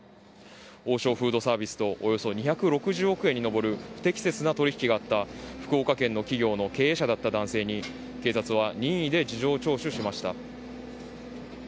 王将フードサービスとおよそ２６０億円に上る不適切な取り引きがあった、福岡県の企業の経営者だった男性に、警察は任意で事情聴取しました。